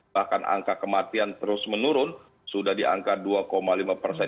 bahkan angka kematian terus menurun sudah di angka dua lima persen